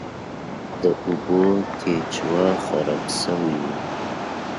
د اوبو کیچوا خراب شوی و.